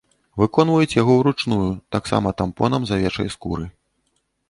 Выконваюць яго ўручную таксама тампонам з авечай скуры.